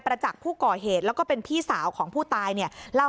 จักษ์ผู้ก่อเหตุแล้วก็เป็นพี่สาวของผู้ตายเนี่ยเล่า